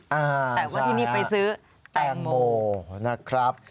แต่ว่าที่นี่ไปซื้อแตงโมนะครับ